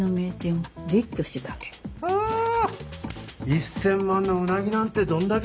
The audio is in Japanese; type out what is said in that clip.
１０００万のうなぎなんてどんだけよ！